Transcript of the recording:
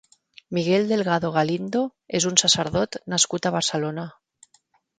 Miguel Delgado Galindo és un sacerdot nascut a Barcelona.